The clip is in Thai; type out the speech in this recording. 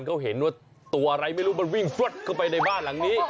เขาเห็นว่าตัวอะไรไม่รู้มันวิ่งฟล็ดเข้าไปในบ้านหลังนี้